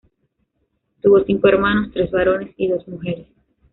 Tuvo cinco hermanos, tres varones y dos mujeres.